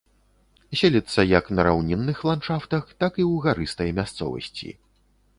Селіцца як на раўнінных ландшафтах, так і ў гарыстай мясцовасці.